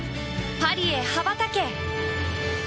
パリへ羽ばたけ！